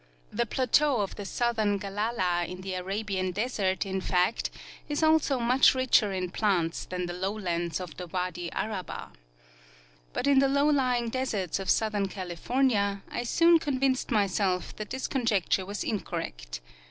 The plateau of the southern Galala in the Arabian The Plants of the American Desert. 167 desert in fact is also much riclier in plants than the lowlands of the wadi Arabah. But in the low lying deserts of southern Cali fornia I soon convinced myself that this conjecture was incorrect.